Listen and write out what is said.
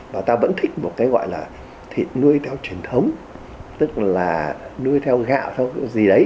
và ta vẫn thích một cái gọi là thịt nuôi theo truyền thống tức là nuôi theo gạo theo gì đấy